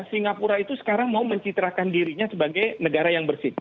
singapura itu sekarang mau mencitrakan dirinya sebagai negara yang bersih